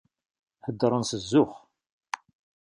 Heddren s zzux.